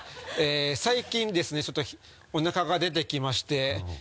最近ですねちょっとおなかが出てきまして。